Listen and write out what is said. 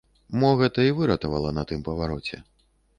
Мо гэта і выратавала на тым павароце.